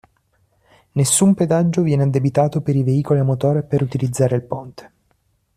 Nessun pedaggio viene addebitato per i veicoli a motore per utilizzare il ponte.